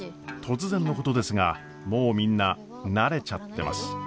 突然のことですがもうみんな慣れちゃってます。